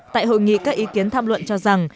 tại hội nghị các ý kiến tham luận cho rằng